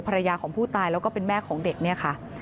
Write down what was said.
อรัยาของผู้ตายแล้วก็เป็นแม่ของเด็ก